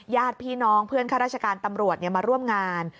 ญาติพี่น้องเพื่อนข้าราชการตำรวจมาร่วมงาน